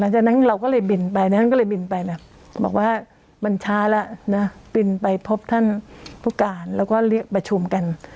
ช้าแล้วนะบินไปพบท่านผู้การแล้วก็เรียกประชุมกัน